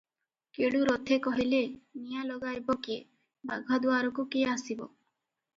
କେଳୁ ରଥେ କହିଲେ, "ନିଆଁ ଲଗାଇବ କିଏ, ବାଘଦୁଆରକୁ କିଏ ଆସିବ ।